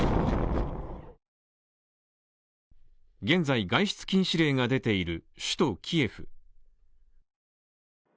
現在、外出禁止令が出ている首都キエフ。